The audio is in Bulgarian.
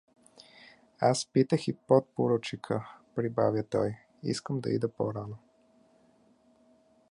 — Аз питах и подпоручика — прибавя той. — Искам да ида по-рано.